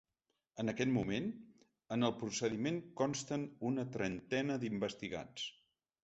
En aquest moment, en el procediment consten una trentena d’investigats.